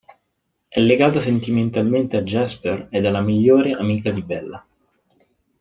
È legata sentimentalmente a Jasper ed è la migliore amica di Bella.